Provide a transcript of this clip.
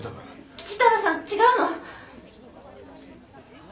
吉太郎さん違うの！